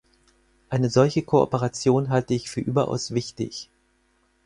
Eine solche Kooperation halte ich für überaus wichtig.